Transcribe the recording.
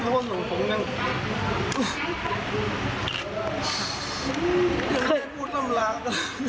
ก็ไม่ได้อู้ดร่ำลาก